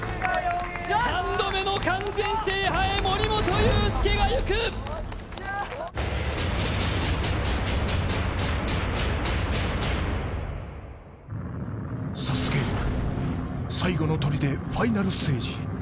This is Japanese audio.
３度目の完全制覇へ森本裕介が行くＳＡＳＵＫＥ、最後のとりでファイナルステージ。